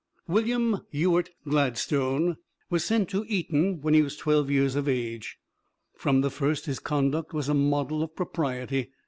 William Ewart Gladstone was sent to Eton when twelve years of age. From the first, his conduct was a model of propriety.